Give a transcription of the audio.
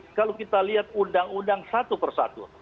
kalau kita lihat undang undang satu persatu